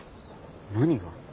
何が？